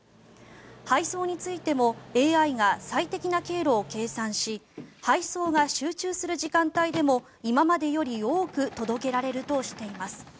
配送についてもＡＩが最適な経路を計算し配送が集中する時間帯でも今までより多く届けられるとしています。